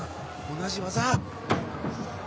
同じ技。